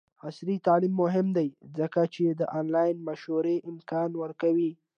عصري تعلیم مهم دی ځکه چې د آنلاین مشورې امکان ورکوي.